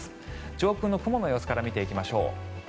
上空の雲の様子から見ていきましょう。